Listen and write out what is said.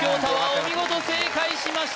お見事正解しました